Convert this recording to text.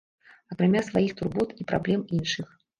Акрамя сваіх турбот і праблем іншых.